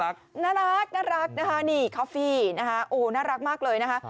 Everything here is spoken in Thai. น่ารักนะคะนี่คอฟฟี่นะคะโอ้น่ารักมากเลยนะคะ